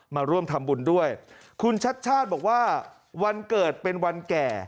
มาร่วมทำบุญด้วยคุณชัดชาติบอกว่าวันเกิดเป็นวันแก่